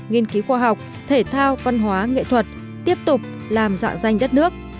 nghiên cứu khoa học thể thao văn hóa nghệ thuật tiếp tục làm dạng danh đất nước